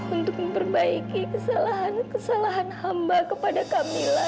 untuk memperbaiki kesalahan kesalahan hamba kepada kamila